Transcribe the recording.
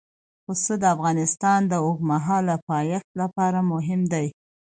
پسه د افغانستان د اوږدمهاله پایښت لپاره مهم دی.